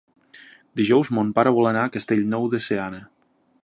Dijous mon pare vol anar a Castellnou de Seana.